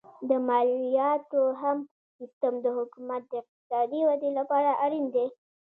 د مالیاتو ښه سیستم د حکومت د اقتصادي ودې لپاره اړین دی.